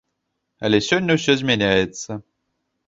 Але сёння ўсё змяняецца.